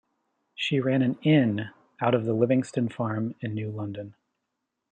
She ran an inn out of the Livingston farm in New London.